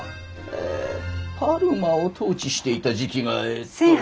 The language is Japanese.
えパルマを統治していた時期がえっと。